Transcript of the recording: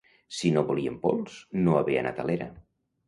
Si no volien pols, no haver anat a l'era.